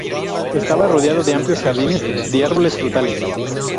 Estaba rodeado de amplios jardines de árboles frutales.